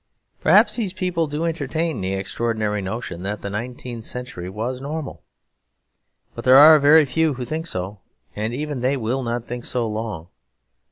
Perhaps these people do entertain the extraordinary notion that the nineteenth century was normal. But there are very few who think so, and even they will not think so long.